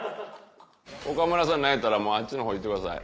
岡村さん何やったらもうあっちの方行ってください。